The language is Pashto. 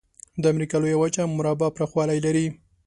د امریکا لویه وچه مربع پرخوالي لري.